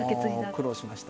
もう苦労しました。